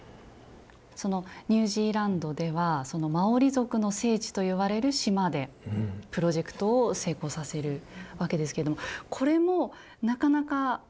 そのニュージーランドではそのマオリ族の聖地といわれる島でプロジェクトを成功させるわけですけどこれもなかなかその設置している時に大変なことがあったと。